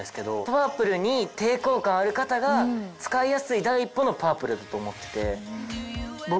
パープルに抵抗感ある方が使いやすい第一歩のパープルだと思ってて。